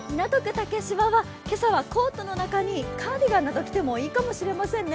竹芝は今朝はコートの中にカーディガンなど着てもいいかもしれませんね。